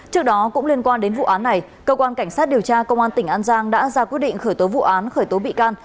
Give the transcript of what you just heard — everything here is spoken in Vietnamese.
trước đó cũng liên quan đến vụ án này cơ quan cảnh sát điều tra công an tỉnh an giang đã ra quyết định khởi tố vụ án khởi tố bị can